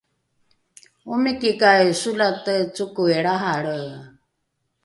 omikikai solate cokoi lrahalre?